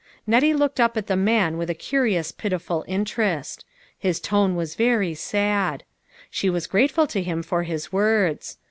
Nettie looked up at the man with a curious pitiful interest. His tone was very sad. She was grateful to him for his words.